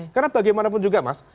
karena bagaimanapun juga mas